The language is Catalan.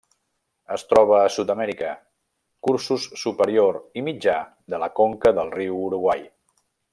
Es troba a Sud-amèrica: cursos superior i mitjà de la conca del riu Uruguai.